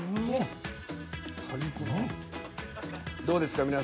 どうですか？